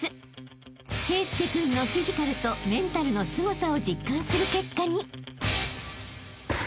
［圭佑君のフィジカルとメンタルのすごさを実感する結果に］